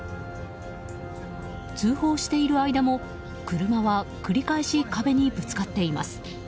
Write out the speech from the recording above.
通報している間も、車は繰り返し壁にぶつかっています。